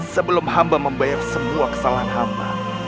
sebelum hamba membayar semua kesalahan hamba